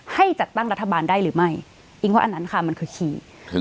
ให้จัดตั้งรัฐบาลได้หรือไม่อิ๊งว่าอันนั้นค่ะมันคือขีด